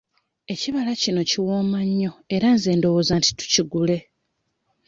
Ekibala kino kiwooma nnyo era nze ndowooza nti tukigule.